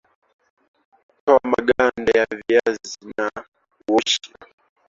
Toa maganda ya viazi na uoshe